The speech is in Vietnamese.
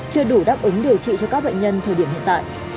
chưa đủ đáp ứng điều trị cho các bệnh nhân thời điểm hiện tại